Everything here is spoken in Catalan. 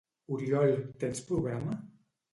—Oriol, tens programa?